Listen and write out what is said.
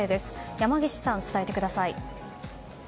山岸さん、伝えてください。